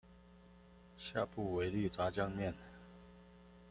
下不為例炸醬麵